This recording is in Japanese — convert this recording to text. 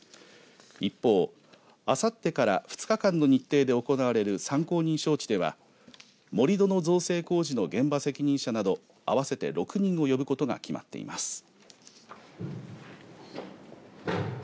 一方、あさってから２日間の日程で行われる参考人招致では盛り土の造成工事の現場責任者など合わせて６人を呼ぶことが決まっています。